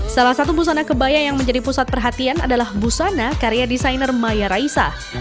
salah satu busana kebaya yang menjadi pusat perhatian adalah busana karya desainer maya raisa